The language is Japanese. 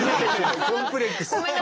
コンプレックス。